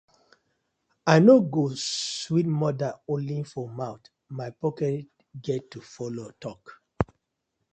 I no go sweet mother only for mouth, my pocket get to follo tok.